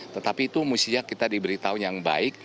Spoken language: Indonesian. tetapi itu mesti nya kita diberitahu yang baik